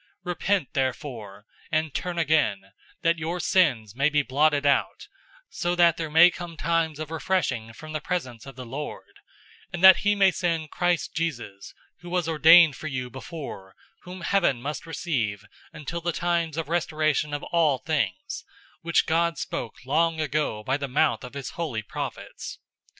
003:019 "Repent therefore, and turn again, that your sins may be blotted out, so that there may come times of refreshing from the presence of the Lord, 003:020 and that he may send Christ Jesus, who was ordained for you before, 003:021 whom heaven must receive until the times of restoration of all things, which God spoke long ago by the mouth of his holy prophets.